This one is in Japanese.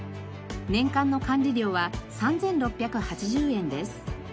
年間の管理料は３６８０円です。